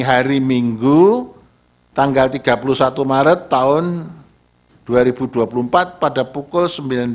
hari minggu tanggal tiga puluh satu maret tahun dua ribu dua puluh empat pada pukul sembilan belas